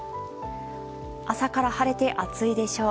朝から晴れて暑いでしょう。